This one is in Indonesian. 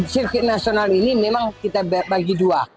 circuit national ini memang kita bagi dua